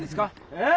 えっ？